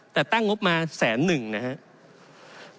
แต่ตั้งงบมา๑๐๑๐๐๐บาทนะครับ